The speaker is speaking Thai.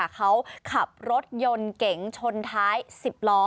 เขาขับรถยนต์เก๋งชนท้าย๑๐ล้อ